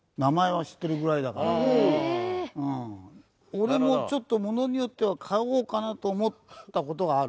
俺もちょっと物によっては買おうかなと思った事がある。